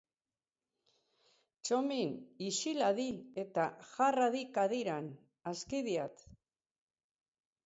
Txomin! Ixil hadi eta jar hadi kadiran, aski diat!